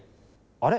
あれ？